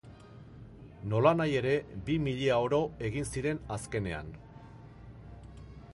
Nolanahi ere, bi milia oro egin ziren azkenean.